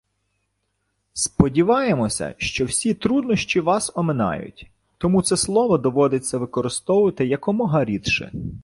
Сподіваємося, що всі труднощі вас оминають, тому це слово доводиться використовувати якомога рідше.